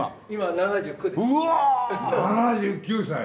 ７９歳。